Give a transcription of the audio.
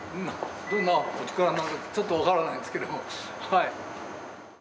どんなお力になれるかちょっと分からないんですけれどもはい。